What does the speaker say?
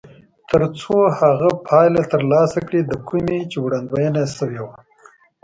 تر څو هغه پایله ترلاسه کړي د کومې چې وړاندوينه شوې وي.